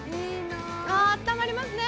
あったまりますね。